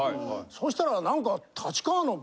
そしたらなんか。